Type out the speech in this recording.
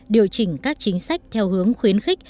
điều chỉnh các chính sách theo hướng khuyến khích